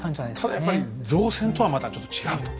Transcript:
ただやっぱり造船とはまたちょっと違うと。